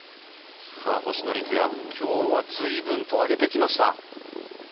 星野陸也、今日はずいぶんと上げてきました。